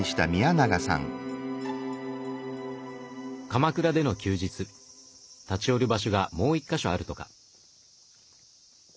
鎌倉での休日立ち寄る場所がもう１か所あるとか。